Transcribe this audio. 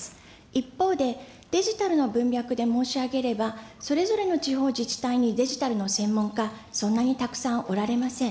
一方で、デジタルの文脈で申し上げれば、それぞれの地方自治体にデジタルの専門家、そんなにたくさんおられません。